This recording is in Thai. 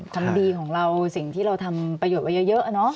ความดีของเราสิ่งที่เราทำประโยชน์ไว้เยอะเนอะ